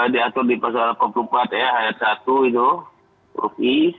diatur di pasar delapan puluh empat ya ayat satu itu rupi